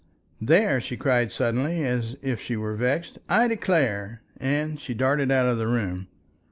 "There!" she cried suddenly, as if she were vexed. "I declare!" and she darted out of the room.